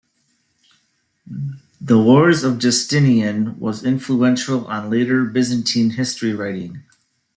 The "Wars of Justinian" was influential on later Byzantine history-writing.